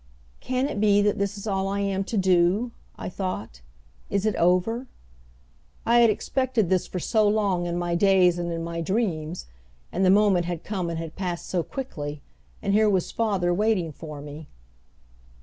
"Can it be that this is all I am to do?" I thought. "Is it over?" I had expected this for so long in my days and in my dreams; and the moment had come and had passed so quickly. And here was father waiting for me.